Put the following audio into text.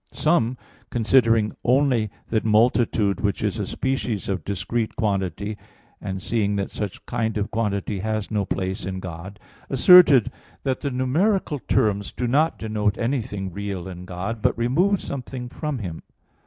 Some, considering only that multitude which is a species of discrete quantity, and seeing that such kind of quantity has no place in God, asserted that the numeral terms do not denote anything real in God, but remove something from Him.